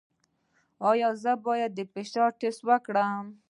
ایا زه باید د فشار ټسټ وکړم؟